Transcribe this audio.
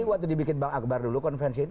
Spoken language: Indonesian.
waktu dibikin bang akbar dulu konvensi itu